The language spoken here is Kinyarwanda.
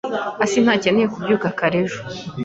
asi ntakeneye kubyuka kare ejo.